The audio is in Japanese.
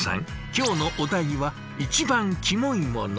今日のお題は一番キモいもの。